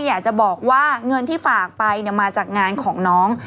อยากจะบอกว่าเงินที่ฝากไปมาจากงานของน้อง